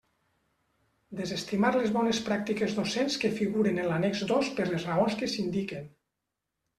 Desestimar les bones pràctiques docents que figuren en l'annex dos per les raons que s'indiquen.